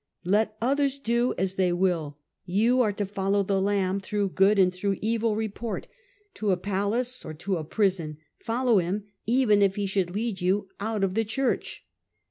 Let others do as they will, you are to follow the Lamb, through good and through evil report, to a palace or to a prison; follow him, even if he should lead you out of the church."